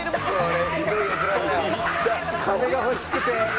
「金が欲しくて」